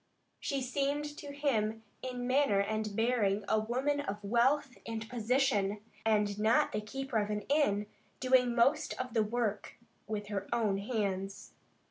She seemed to him in manner and bearing a woman of wealth and position, and not the keeper of an inn, doing most of the work with her own hands.